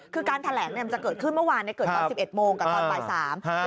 คือการแถลงเนี่ยมันจะเกิดขึ้นเมื่อวานเกิดตอน๑๑โมงกับตอนบ่ายสาม